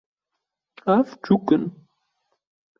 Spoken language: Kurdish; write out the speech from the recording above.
Ev çûk in